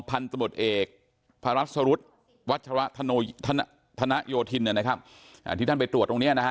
พันธบทเอกพระรัชรุตวัชวะธนโยธินที่ท่านไปตรวจตรงนี้